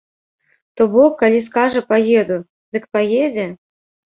То бок, калі скажа паеду, дык паедзе?